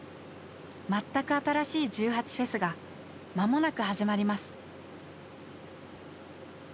全く新しい１８祭が間もなく始まります。